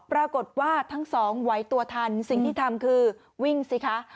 ปรากฏว่าทั้งสองไหวตัวทันสิ่งที่ทำคือวิ่งสิคะ